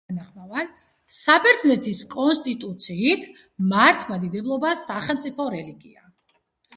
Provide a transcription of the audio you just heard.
საბერძნეთის კონსტიტუციით მართლმადიდებლობა სახელმწიფო რელიგიაა.